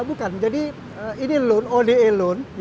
bukan jadi ini loan ode loan